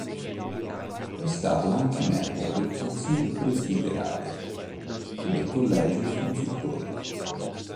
È stato anche membro del consiglio presbiterale e del collegio dei consultori.